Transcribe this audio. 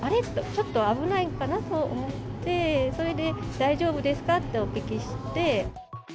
ちょっと危ないかなと思って、それで大丈夫ですかってお聞きして。